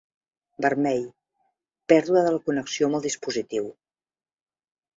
Vermell; pèrdua de la connexió amb el dispositiu.